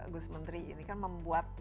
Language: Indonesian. gus menteri ini kan membuat